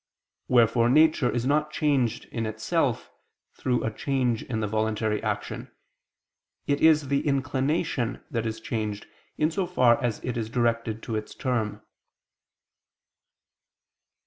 Wherefore nature is not changed in itself, through a change in the voluntary action: it is the inclination that is changed in so far as it is directed to its term.